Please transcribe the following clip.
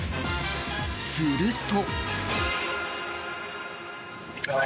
すると。